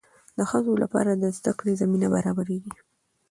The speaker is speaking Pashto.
د ښځو لپاره د زده کړې زمینه برابریږي.